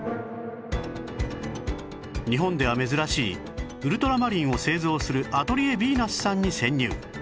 日本では珍しいウルトラマリンを製造するアトリエヴィーナスさんに潜入